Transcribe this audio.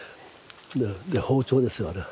包丁ですよあれは。